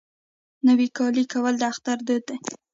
نوی کالی کول د اختر دود دی.